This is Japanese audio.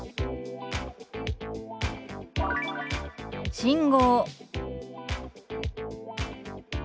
「信号」。